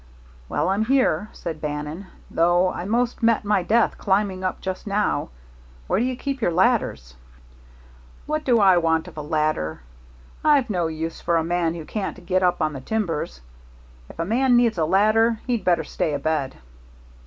"Well, I'm here," said Bannon, "though I 'most met my death climbing up just now. Where do you keep your ladders?" "What do I want of a ladder? I've no use for a man who can't get up on the timbers. If a man needs a ladder, he'd better stay abed."